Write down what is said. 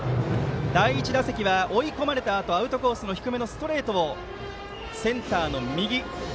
第１打席は、追い込まれたあとアウトコースの低めのストレートをセンターの右。